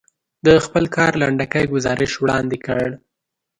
د خپل کار لنډکی ګزارش وړاندې کړ.